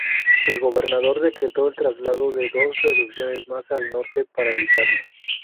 El gobernador decretó el traslado de dos reducciones más al norte para evitarlo.